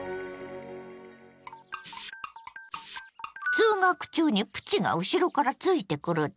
通学中にプチが後ろからついてくるって？